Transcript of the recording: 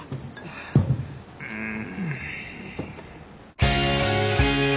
うん。